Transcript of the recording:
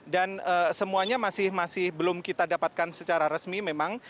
dan semuanya masih masih belum kita dapatkan secara resmi memang